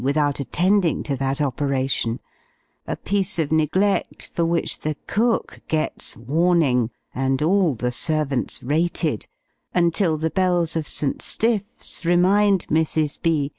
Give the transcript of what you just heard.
without attending to that operation: a piece of neglect, for which the cook gets "warning," and all the servants rated until the bells of St. Stiff's remind Mrs. B.